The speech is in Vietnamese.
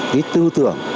với tư tưởng